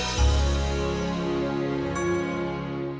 aku akan menuruti semua perintahmu